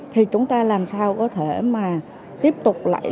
thì chúng ta làm sao có thể mà tiếp tục lại